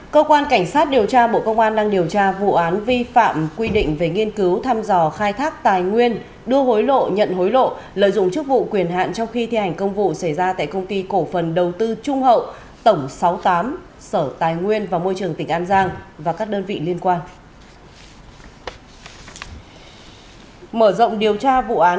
cơ quan cảnh sát điều tra bộ công an đang điều tra vụ án vi phạm quy định về nghiên cứu thăm dò khai thác tài nguyên đưa hối lộ nhận hối lộ lợi dụng chức vụ quyền hạn trong khi thi hành công vụ xảy ra tại công ty cổ phần đầu tư trung hậu tổng sáu mươi tám sở tài nguyên và môi trường tỉnh an giang và các đơn vị liên quan